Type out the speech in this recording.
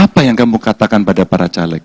apa yang kamu katakan pada para caleg